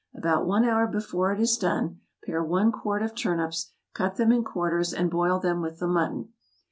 About one hour before it is done pare one quart of turnips, cut them in quarters, and boil them with the mutton.